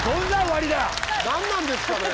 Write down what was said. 何なんですかね？